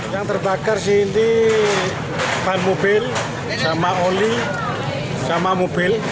yang terbakar sih ini ban mobil sama oli sama mobil